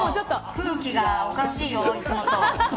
空気がおかしいよ、いつもと。